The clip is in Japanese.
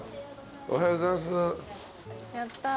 おはようございます。